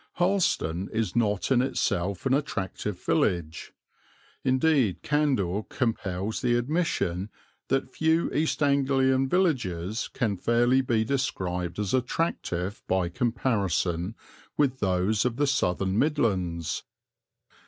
Harleston is not in itself an attractive village. Indeed candour compels the admission that few East Anglian villages can fairly be described as attractive by comparison with those of the southern Midlands.